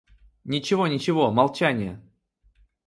Ничего, ничего, молчание!